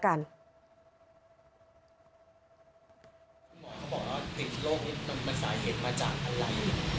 คุณหมอเขาบอกว่าติดโรคนี้มันสาเหตุมาจากอะไร